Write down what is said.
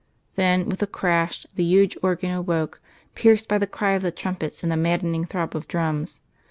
Then, with a crash, the huge organ awoke, pierced by the cry of the trumpets and the maddening throb of drums.